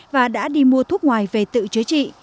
và đã đi mua thuốc ngoài về tự chữa trị